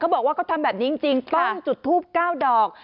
บอกว่าเขาทำแบบนี้จริงต้องจุดทูป๙ดอก